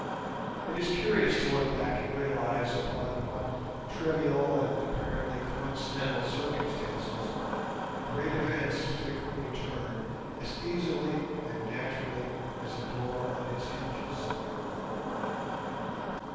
It is curious to look back and realise upon what trivial and apparently coincidental circumstances great events frequently turn as easily and naturally as a door on its hinges.